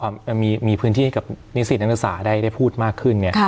มีพื้นที่ที่ไม่สิทธิ์อันวิศาได้ได้พูดมากขึ้น